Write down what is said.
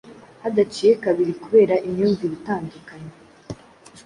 hadaciye kabiri kubera imyumvire itandukanye.